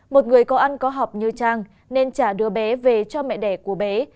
một người có ăn có học như chàng nên trả đứa bé về cho mẹ đẻ của bé